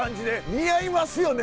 似合いますよね